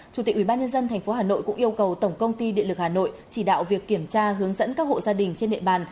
chủ tịch ubnd tp hà nội cũng yêu cầu tổng công ty điện lực hà nội chỉ đạo việc kiểm tra hướng dẫn các hộ gia đình trên địa bàn